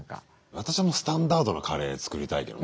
私はもうスタンダードなカレー作りたいけどね。